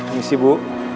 ini si bu